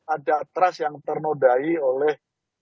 ada trust yang ternodai oleh